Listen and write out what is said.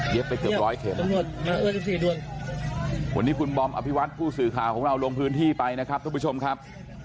ไปเกือบร้อยเข็มวันนี้คุณบอมอภิวัตผู้สื่อข่าวของเราลงพื้นที่ไปนะครับทุกผู้ชมครับ